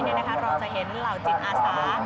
เราจะเห็นเหล่าจิตอาสา